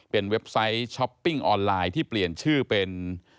เป็นเว็บไซต์ช้อปปิ้งออนไลน์ที่เปลี่ยนชื่อเป็น